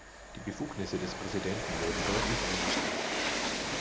Die Befugnisse des Präsidenten wurden deutlich eingeschränkt.